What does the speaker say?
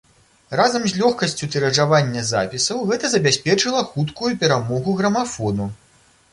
Разам з лёгкасцю тыражавання запісаў гэта забяспечыла хуткую перамогу грамафону.